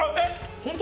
本当？